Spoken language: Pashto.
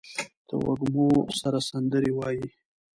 د وږمو سره سندرې وايي